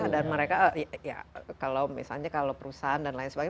mereka ya kalau misalnya kalau perusahaan dan lain sebagainya